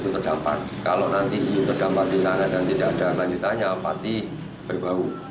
terdampar kalau nanti terdampak di sana dan tidak ada lanjutannya pasti berbau